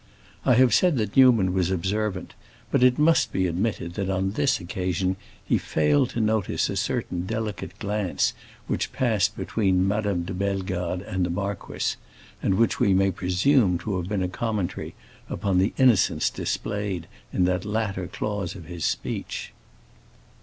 I have said that Newman was observant, but it must be admitted that on this occasion he failed to notice a certain delicate glance which passed between Madame de Bellegarde and the marquis, and which we may presume to have been a commentary upon the innocence displayed in that latter clause of his speech.